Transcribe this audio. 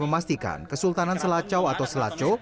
memastikan kesultanan selacau atau selaco